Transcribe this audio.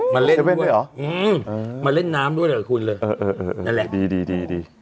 มาเล่นด้วยหรืออืมมาเล่นน้ำด้วยกับคุณเลยนั่นแหละอ๋อดี